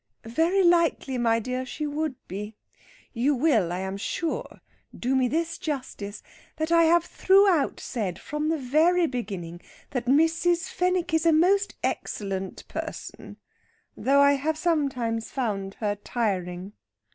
"Very likely, my dear; she would be. You will, I am sure, do me this justice, that I have throughout said, from the very beginning, that Mrs. Fenwick is a most excellent person, though I have sometimes found her tiring."